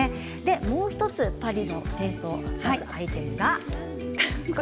もう１つパリのテーストアイテムは。